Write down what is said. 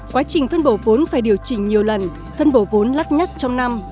quá trình phân bổ vốn phải điều chỉnh nhiều lần phân bổ vốn lắc nhắc trong năm